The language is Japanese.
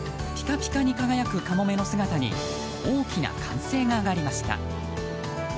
ピカピカに輝く「かもめ」の姿に大きな歓声が上がりました。